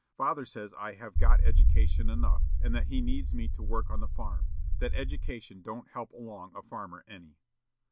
Father says I have got education enough, and that he needs me to work on the farm; that education don't help along a farmer any.'